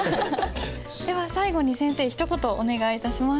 では最後に先生ひと言お願い致します。